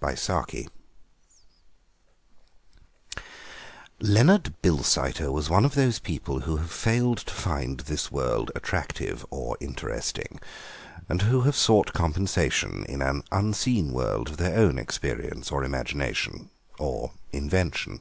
THE SHE WOLF Leonard Bilsiter was one of those people who have failed to find this world attractive or interesting, and who have sought compensation in an "unseen world" of their own experience or imagination—or invention.